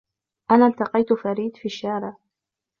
أنا التقيت فريد فى الشارع.